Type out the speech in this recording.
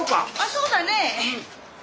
そうだね。